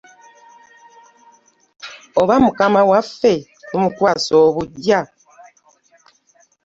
Oba Mukama waffe tumukwasa obuggya?